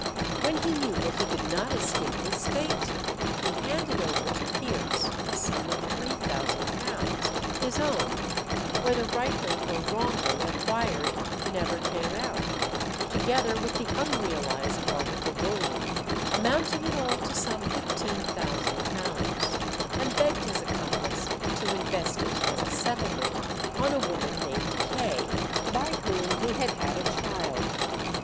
When he knew that he could not escape his fate, he handed over to Pierce a sum of £3000, his own, whether rightly or wrongly acquired never came out, together with the unrealized part of the bullion, amounting in all to some £15,000, and begged his accomplice to invest it as a settlement on a woman named Kay, by whom he had had a child.